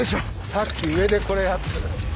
さっき上でこれやってた。